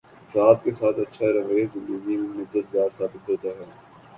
افراد کے ساتھ اچھا رویہ زندگی میں مددگار ثابت ہوتا ہے